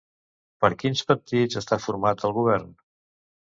Per quins partits està format el govern?